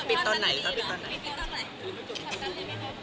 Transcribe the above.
ปิดตอนไหนนะครับ